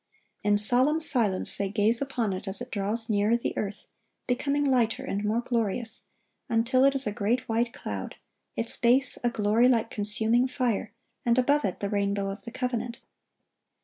In solemn silence they gaze upon it as it draws nearer the earth, becoming lighter and more glorious, until it is a great white cloud, its base a glory like consuming fire, and above it the rainbow of the covenant.